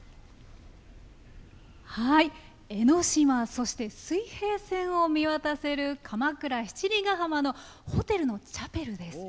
江の島そして水平線を見渡せる鎌倉七里ガ浜のホテルのチャペルです。